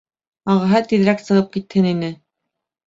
Ағаһы тиҙерәк сығып китһен ине.